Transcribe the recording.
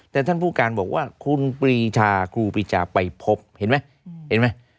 แต่ท่านผู้การบอกว่าคุณปีชาครูปีชาไปพบเห็นไหม